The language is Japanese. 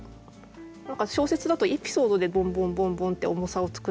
何か小説だとエピソードでボンボンボンボンって「重さ」を作るけど。